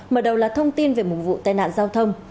mở đầu là thông tin về một vụ tai nạn giao thông